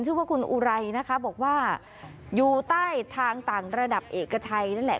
ชื่อว่าคุณอุไรนะคะบอกว่าอยู่ใต้ทางต่างระดับเอกชัยนั่นแหละ